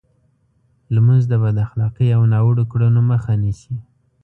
لمونځ د بد اخلاقۍ او ناوړو کړنو مخه نیسي.